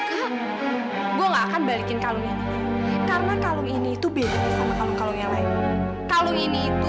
kak gua nggak akan balikin kalau ini karena kalau ini itu beda kalau kalau yang lain kalau ini itu